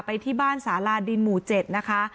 ไปที่บ้านสาลาดินหมู่เจ็ดนะคะอ๋อ